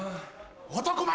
男前！